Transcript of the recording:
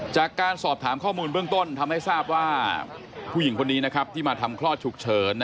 จากการสอบถามข้อมูลเบื้องต้นทำให้ทราบว่าผู้หญิงคนนี้ที่มาทำคลอดฉุกเฉิน